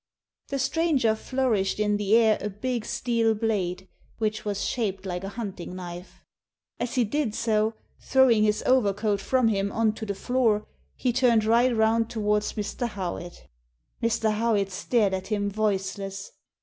The stranger flourished in the air a big steel blade, which was shaped like a hunting knife. As he did so, throwing his overcoat from him on to the floor, he turned right round towards Mr. Howitt Mr. Howitt stared at him voiceless.